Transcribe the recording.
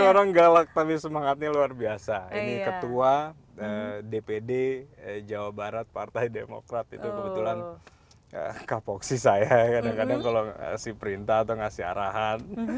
orang galak tapi semangatnya luar biasa ini ketua dpd jawa barat partai demokrat itu kebetulan kapoksi saya kadang kadang kalau ngasih perintah atau ngasih arahan